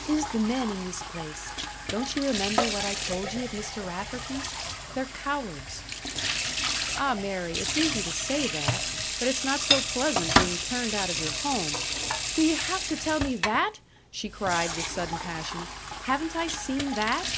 "'Tis the men in this place. Don't ye remember what I told ye at Mr. Rafferty's? They're cowards!" "Ah, Mary, it's easy to say that. But it's not so pleasant being turned out of your home " "Do ye have to tell me that?" she cried, with sudden passion. "Haven't I seen that?"